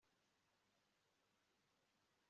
nuko umwuka w'uhoraho uzakuzuremo